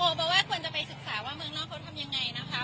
บอกว่าควรจะไปศึกษาว่าเมืองนอกเขาทำยังไงนะคะ